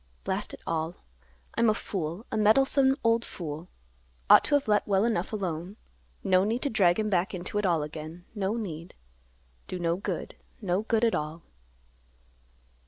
"Blast it all, I'm a fool, a meddlesome, old fool. Ought to have let well enough alone. No need to drag him back into it all again; no need. Do no good; no good at all."